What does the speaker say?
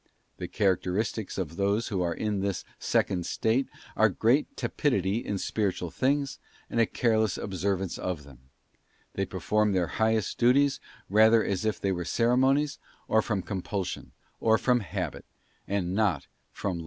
The characteristics of those who are in this second state are great tepidity in spiritual things, and a careless observance of them; they perform their highest duties rather as if they were ceremonies, or from compulsion, or from habit, and not from love.